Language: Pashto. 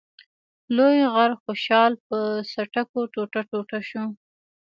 لوی غر خوشحال په څټکو ټوټه ټوټه شو.